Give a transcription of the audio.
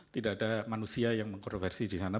tidak ada manusia yang mengkonversi di sana